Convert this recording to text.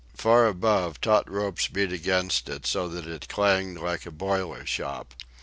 Far above, taut ropes beat against it so that it clanged like a boiler shop.